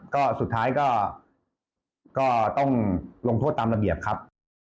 ก็สุดท้ายก็ต้องลงโทษตามระเบียบครับ